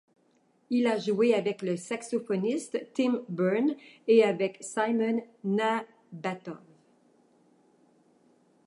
Il a joué avec le saxophoniste Tim Berne, et avec Simon Nabatov.